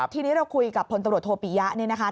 ทีนี้เราคุยกับพตโทปียะ